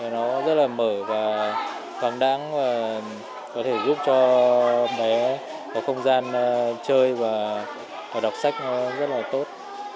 nó rất là mở và thoáng đáng và có thể giúp cho bé có không gian chơi và đọc sách nó rất là tốt